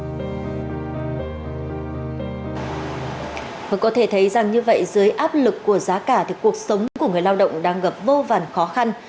có thể thấy rằng như vậy dưới áp lực của giá cả thì cuộc sống của người lao động đang gặp vô vàn khó khăn